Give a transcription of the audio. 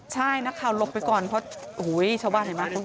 ใช่นักข่าวหลบไปก่อนเพราะชาวบ้านเห็นไหม